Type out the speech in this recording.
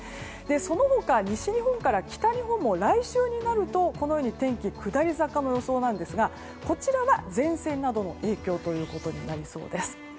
その他、西日本から北日本も来週になると天気、下り坂の予想なんですがこちらは前線などの影響ということになりそうです。